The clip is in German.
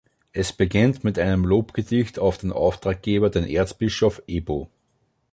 Es beginnt mit einem Lobgedicht auf den Auftraggeber, den Erzbischof Ebo.